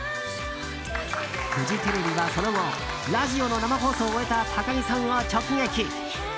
フジテレビはその後ラジオの生放送を終えた高城さんを直撃。